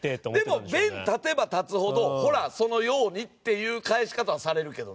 でも弁立てば立つほど「ほらそのように」っていう返し方はされるけどななんか。